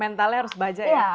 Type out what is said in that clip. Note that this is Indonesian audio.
mentalnya harus baja ya